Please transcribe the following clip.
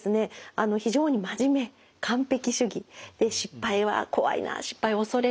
非常に真面目完璧主義失敗は怖いな失敗を恐れる。